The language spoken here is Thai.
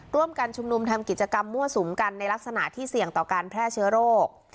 ร่วมกันชุมนุมทำกิจกรรมมั่วสุมกันในลักษณะที่เสี่ยงต่อการแพร่เชื้อโรค